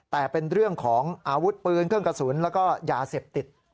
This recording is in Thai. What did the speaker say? แต่เป็นเรื่องของอาวุธปืนเครื่องกระสุนแล้วก็ยาเสพติด